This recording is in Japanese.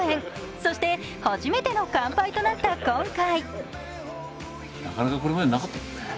そして初めての乾杯となった今回。